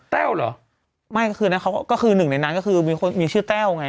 แววเหรอไม่ก็คือนั้นเขาก็คือหนึ่งในนั้นก็คือมีคนมีชื่อแต้วไง